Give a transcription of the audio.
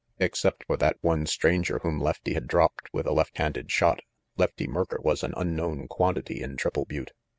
Except for that one stranger whom Lefty had dropped with a left handed shot, Lefty Merker was an unknown quantity in Triple Butte.